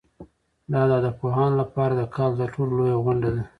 دا د ادبپوهانو لپاره د کال تر ټولو لویه غونډه ده.